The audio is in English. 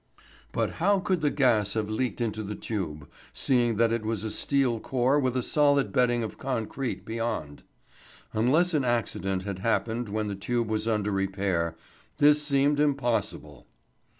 But how could the gas have leaked into the tube, seeing that it was a steel core with a solid bedding of concrete beyond? Unless an accident had happened when the tube was under repair, this seemed impossible.